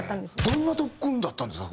どんな特訓だったんですか？